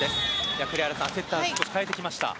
栗原さん、セッターを代えてきました。